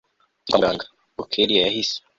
tujye kwamuganga ubwo kellia yahise